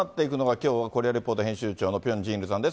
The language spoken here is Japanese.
きょうはコリア・レポート編集長のピョン・ジンイルさんです。